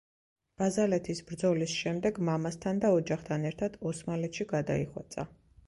ბაზალეთის ბრძოლის შემდეგ მამასთან და ოჯახთან ერთად ოსმალეთში გადაიხვეწა.